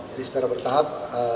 jadi secara bertahap